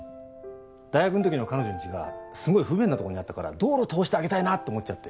大学んときの彼女んちがすんごい不便な所にあったから道路通してあげたいなと思っちゃって。